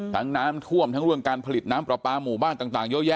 น้ำท่วมทั้งเรื่องการผลิตน้ำปลาปลาหมู่บ้านต่างเยอะแยะ